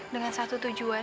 dengan satu tujuan